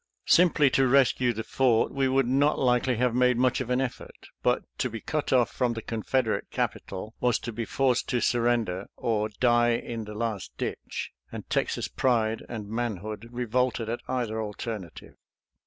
Simply to rescue the fort we would not likely have made much of an effort, but to be cut off from the Confederate capital was to be forced to surrender or " die in the last ditch," and Texas pride and manhood re volted at either alternative.